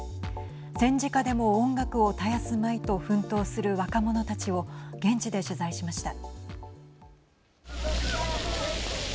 戦時下でも音楽を絶やすまいと奮闘する若者たちを現地で取材しました。